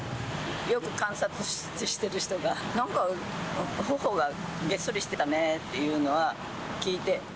よく観察してる人が、なんか、ほおがげっそりしてたねっていうのは聞いて。